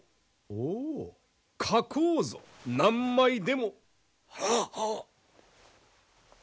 おお書こうぞ何枚でも。ははっ。